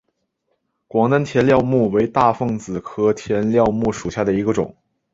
广南天料木为大风子科天料木属下的一个种。